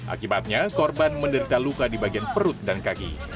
akibatnya korban menderita luka di bagian perut dan kaki